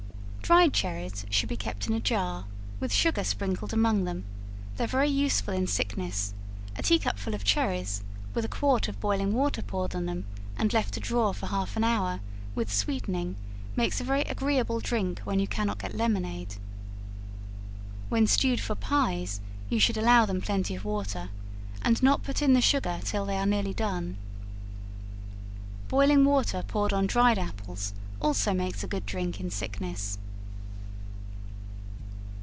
Dried cherries should be kept in a jar, with sugar sprinkled among them; they are very useful in sickness; a tea cupful of cherries, with a quart of boiling water poured on them, and left to draw for half an hour, with sweetening, makes a very agreeable drink when you cannot get lemonade. When stewed for pies you should allow them plenty of water, and not put in the sugar till they are nearly done. Boiling water poured on dried apples also makes a good drink in sickness.